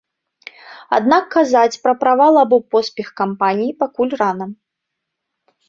Аднак казаць пра правал або поспех кампаніі пакуль рана.